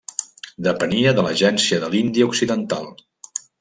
Depenia de l'agència de l'Índia Occidental.